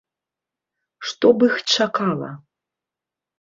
Што б іх чакала?